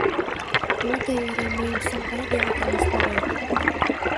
Мо тый эре мыйым Сардай дене таҥастарет.